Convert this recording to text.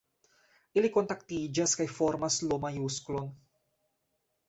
Ili kontaktiĝas kaj formas L-majusklon.